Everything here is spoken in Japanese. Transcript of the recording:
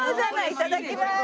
いただきます。